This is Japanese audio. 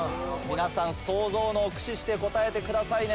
皆さんソウゾウ脳を駆使して答えてくださいね。